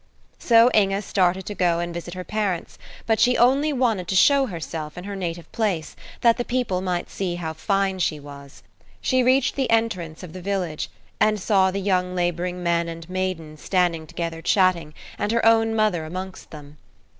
So Inge started to go and visit her parents; but she only wanted to show herself in her native place, that the people might see how fine she was. She reached the entrance of the village, and saw the young laboring men and maidens standing together chatting, and her own mother amongst them.